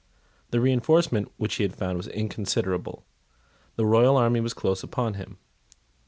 The reinforcement which he found there was inconsiderable. The royal army was close upon him.